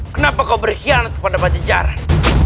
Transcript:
kenapa kau berkhianat kepada pajajaran